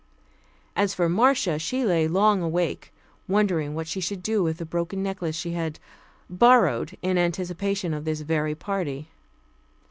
As for Marcia, she lay long awake, wondering what she should do with the broken necklace she had "borrowed," in anticipation of this very party.